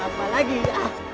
apa lagi ah